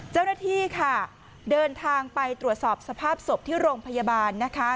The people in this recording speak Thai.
เจ้าหน้าที่ค่ะเดินทางไปตรวจสอบสภาพศพที่โรงพยาบาลนะคะ